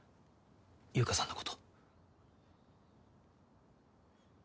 優香さんのこと。